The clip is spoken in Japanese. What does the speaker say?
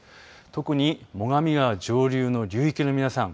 特に最上川上流の流域の皆さん